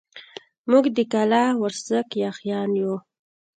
موږ د کلاخ د ورسک ياغيان يو.